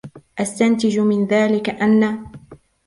استنتج من ذلك أن....